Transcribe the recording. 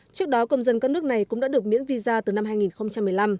trước đó công dân các nước này cũng đã được miễn visa từ năm hai nghìn một mươi năm